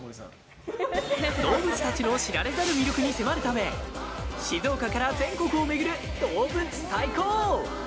動物たちの知られざる魅力に迫るため静岡から全国を巡る「どうぶつ最ＫＯＯ！！」。